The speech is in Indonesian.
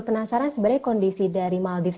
penasaran sebenarnya kondisi dari maldives